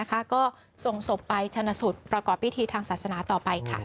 ก็ส่งศพไปชนะสูตรประกอบพิธีทางศาสนาต่อไปค่ะ